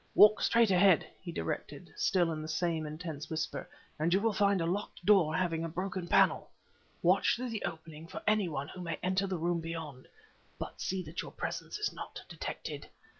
"Walk straight ahead!" he directed, still in the same intense whisper, "and you will find a locked door having a broken panel. Watch through the opening for any one who may enter the room beyond, but see that your presence is not detected.